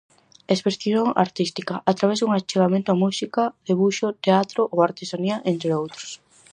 Expresión artística, a través dun achegamento á música, debuxo, teatro ou artesanía, entre outros.